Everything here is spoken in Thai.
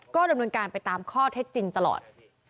ก็ดำเนินการไปตามข้อเท็จจริงตลอด